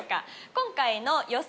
今回の予想